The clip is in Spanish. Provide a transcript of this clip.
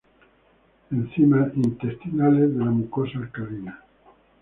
Enzimas intestinales de la mucosa alcalina.